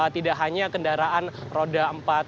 tidak hanya kendaraan roda empat